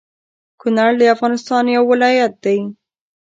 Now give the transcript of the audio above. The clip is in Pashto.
کونړ د افغانستان يو ولايت دى